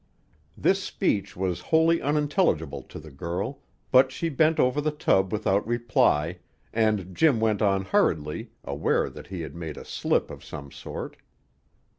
This speech was wholly unintelligible to the girl, but she bent over the tub without reply, and Jim went on hurriedly, aware that he had made a slip of some sort.